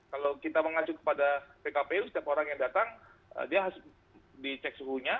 kalau kita mengajuk kepada pkp itu setiap orang yang datang dia harus dicek suhunya